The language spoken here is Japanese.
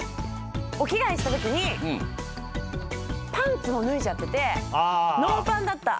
お着替えしたときにパンツも脱いじゃっててノーパンだった。